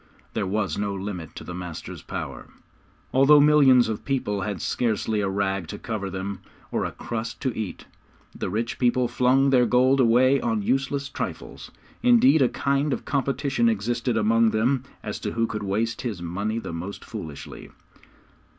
There was no limit to the master's power. Although millions of people had scarcely a rag to cover them, or a crust to eat, the rich people flung their gold away on useless trifles. Indeed, a kind of competition existed among them as to who could waste his money the most foolishly.